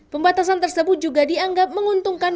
pembatasan tersebut juga dianggap menguntungkan